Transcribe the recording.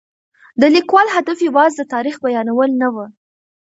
د لیکوال هدف یوازې د تاریخ بیانول نه و.